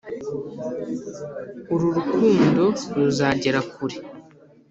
Ururukundo ruzagera kure